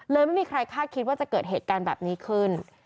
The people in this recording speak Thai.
ไม่มีใครคาดคิดว่าจะเกิดเหตุการณ์แบบนี้ขึ้น